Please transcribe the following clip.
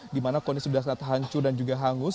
dimana kondisi sudah terlihat hancur dan juga hangus